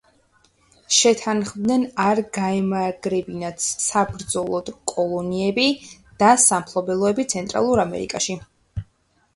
როდესაც მხარეები შეთანხმდნენ არ გაემაგრებინათ საბრძოლოდ კოლონიები და სამფლობელოები ცენტრალურ ამერიკაში.